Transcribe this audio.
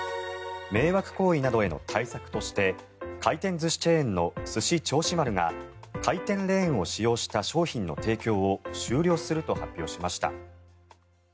迷惑行為などへの対策として回転寿司チェーンのすし銚子丸が回転レーンを使用した商品の提供を終了すると発表しました。